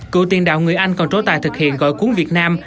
cựu tiền đạo người anh còn trố tài thực hiện gọi cuốn việt nam